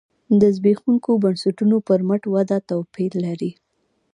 د زبېښونکو بنسټونو پر مټ وده توپیر لري.